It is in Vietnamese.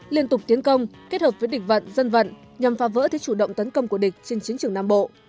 liên tục tiến công kết hợp với địch vận dân vận nhằm phá vỡ thế chủ động tấn công của địch trên chiến trường nam bộ